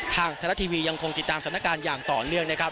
ทางไทยรัฐทีวียังคงติดตามสถานการณ์อย่างต่อเนื่องนะครับ